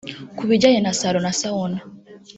Ku bijyanye na Salon na Sauna